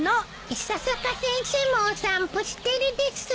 伊佐坂先生もお散歩してるです。